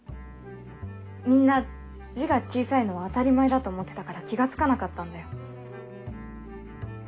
みんな字が小さいのは当たり前だと思ってたから気が付かなかったんだよ。